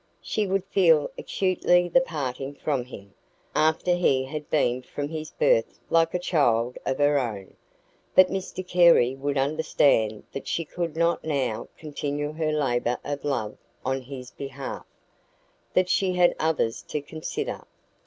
She would feel acutely the parting from him, after he had been from his birth like a child of her own, but Mr Carey would understand that she could not now continue her labour of love on his behalf that she had others to consider.